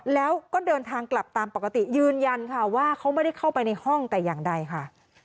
แล้วก็เดินทางกลับตามปกติยืนยันค่ะว่าเขาไม่ได้เข้าไปในห้องแต่อย่างใดค่ะ